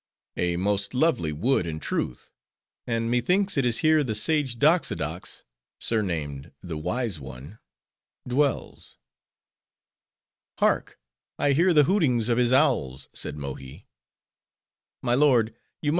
"A most lovely wood, in truth. And methinks it is here the sage Doxodox, surnamed the Wise One, dwells." "Hark, I hear the hootings of his owls," said Mohi.